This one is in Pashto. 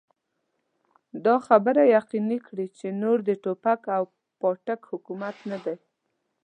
دا خبره يقيني کړي چې نور د ټوپک او پاټک حکومت نه دی.